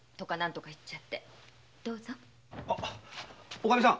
おかみさん